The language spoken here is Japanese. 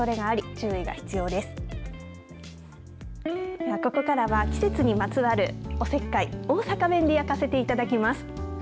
では、ここからは季節にまつわるおせっかい大阪弁で焼かせていただきます。